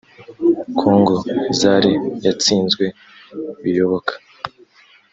congo zare yatsinzwe biyoboka